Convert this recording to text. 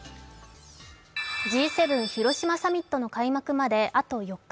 Ｇ７広島サミットの開幕まであと４日。